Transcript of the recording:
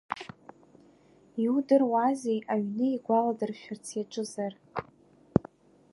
Иудыруази аҩны игәаладыршәарц иаҿызар?